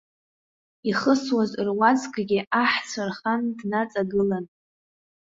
Ихысуаз руаӡәкгьы аҳцәа рхан днаҵагылан.